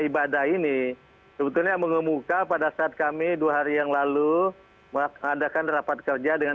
ibadah ini sebetulnya mengemuka pada saat kami dua hari yang lalu mengadakan rapat kerja dengan